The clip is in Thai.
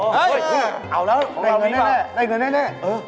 เฮ่ยเอาแล้วได้เงินแน่เออ